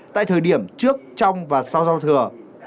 tại thời điểm trước trong và sau giao thừa